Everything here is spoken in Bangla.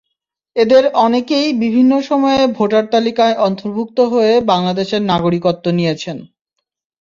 এদের অনেকেই বিভিন্ন সময়ে ভোটার তালিকায় অন্তভুর্ক্ত হয়ে বাংলাদেশের নাগরিকত্ব নিয়েছেন।